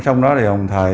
xong đó thì hồng thời